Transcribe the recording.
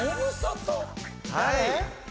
はい。